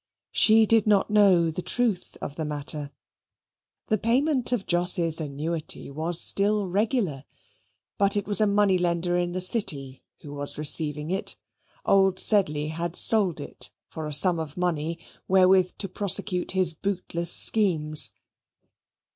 She did not know the truth of the matter. The payment of Jos's annuity was still regular, but it was a money lender in the City who was receiving it: old Sedley had sold it for a sum of money wherewith to prosecute his bootless schemes.